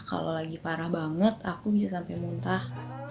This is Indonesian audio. kalau lagi parah banget aku bisa sampai muntah